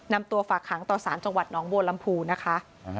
นำตัวฝากหางต่อสารจังหวัดนางบูรมภูนะคะ